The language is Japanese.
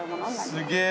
すげえ。